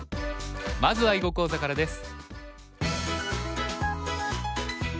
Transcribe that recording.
まずは囲碁講座からです。